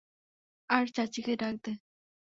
আর, চাচিকে ডাক দে।